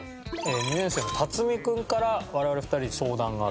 ２年生の辰巳君から我々２人に相談があると。